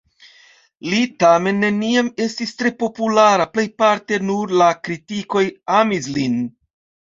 Li tamen neniam estis tre populara, plejparte nur la kritikoj amis lin.